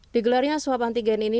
digelarinya swab antigen ini